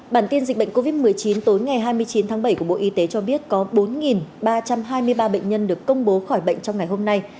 bản tin dịch bệnh covid một mươi chín tối ngày hai mươi chín tháng bảy của bộ y tế cho biết có bốn ba trăm hai mươi ba bệnh nhân được công bố khỏi bệnh trong ngày hôm nay